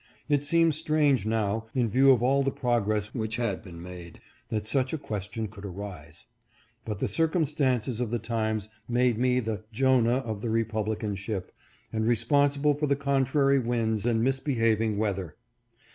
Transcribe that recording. It seems strange now, in view of all the progress which had been made, that such a question could arise. But the circumstances of the times made me the Jonah of the Republican ship, and responsible for the contrary winds and misbehaving weather.